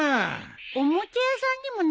おもちゃ屋さんにもないの？